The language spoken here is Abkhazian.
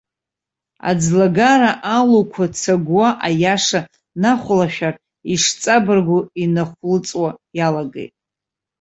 Аӡлагара алуқәа цагәуа, аиаша нахәлашәар, ишҵабыргу инахәлыҵуа иалагеит.